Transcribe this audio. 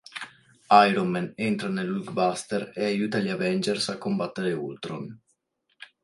Iron Man entra nell'Hulkbuster e aiuta gli Avengers a combattere Ultron.